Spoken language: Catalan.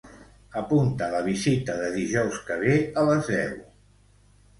Apunta la visita de dijous que ve a les deu.